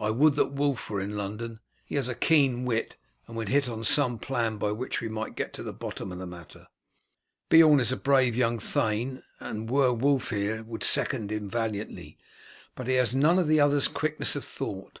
I would that Wulf were in London. He has a keen wit, and would hit on some plan by which we might get to the bottom of the matter. Beorn is a brave young thane, and were Wulf here would second him valiantly, but he has none of the other's quickness of thought.